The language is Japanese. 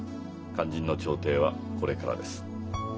肝心の調停はこれからです。